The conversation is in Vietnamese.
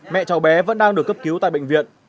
mẹ cháu bé vẫn đang được cấp cứu tại bệnh viện